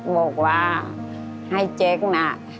บอกว่าให้แจ๊คลาด